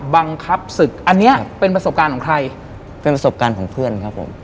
บังคับศึกอันเนี้ยเป็นประสบการณ์ของใครเป็นประสบการณ์ของเพื่อนครับผม